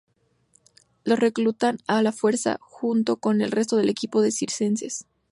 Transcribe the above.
Los reclutan a la fuerza, junto con el resto del equipo de circenses.